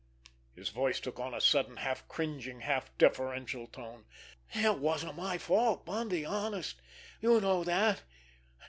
His voice took on a sudden, half cringing, half deferential note. "It wasn't my fault, Bundy—honest! You know that!